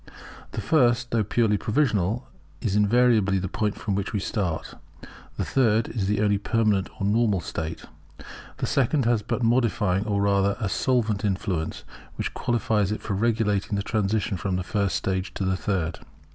The first, though purely provisional, is invariably the point from which we start; the third is the only permanent or normal state; the second has but a modifying or rather a solvent influence, which qualifies it for regulating the transition from the first stage to the third.